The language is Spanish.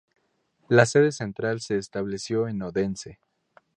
La sede central se estableció en Odense.